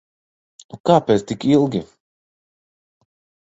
Nu kāpēc tik ilgi?